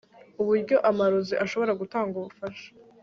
uburyo amarozi ashobora gutanga ubufasha